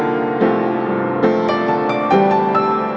aku gak dengerin kata kata kamu mas